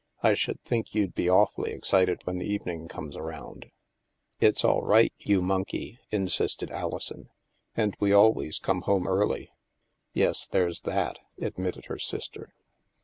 " I should think you'd be awfully excited when the evening comes around." " It's all right, you monkey," insisted Alison, *' and we always come home early." '' Yes, there's that," admitted her sister.